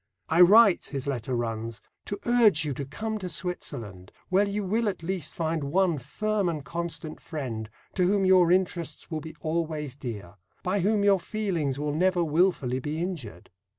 "I write," his letter runs to urge you to come to Switzerland, where you will at least find one firm and constant friend, to whom your interests will be always dear by whom your feelings will never wilfully be injured.